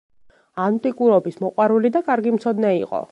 ანტიკურობის მოყვარული და კარგი მცოდნე იყო.